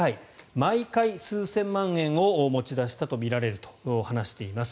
毎回数千万円を持ち出したとみられると話しています。